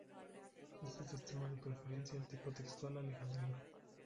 Este sistema da preferencia al tipo textual alejandrino.